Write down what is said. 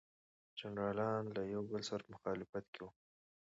جنرالان له یو بل سره په مخالفت کې وو.